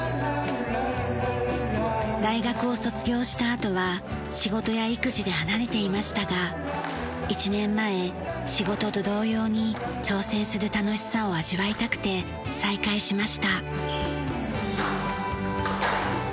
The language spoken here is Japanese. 大学を卒業したあとは仕事や育児で離れていましたが１年前仕事と同様に挑戦する楽しさを味わいたくて再開しました。